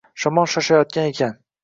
Shamol shoshayotgan ekan